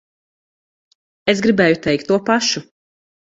Es gribēju teikt to pašu.